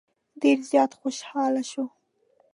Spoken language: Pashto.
ډېر زیات خوشاله شو.